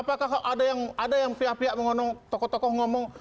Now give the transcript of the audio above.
ada yang pihak pihak tokoh tokoh ngomong